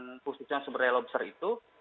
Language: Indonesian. dan pustucang sumber daya lobster itu